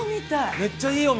めっちゃいいお店。